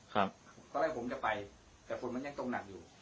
เขาเรียกว่าผมจะไปแต่ฝนมันยังตรงหนักอยู่